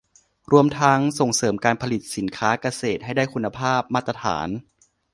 รวมทั้งส่งเสริมการผลิตสินค้าเกษตรให้ได้คุณภาพมาตรฐาน